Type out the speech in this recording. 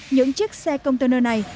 những chiếc xe container này